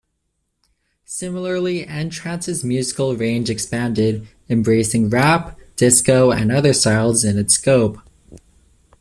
Similarly, N-Trance's musical range expanded, embracing rap, disco and other styles in its scope.